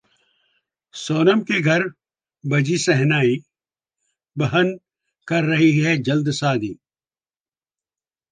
सोनम के घर बजेगी शहनाई, बहन कर रहीं हैं जल्द शादी!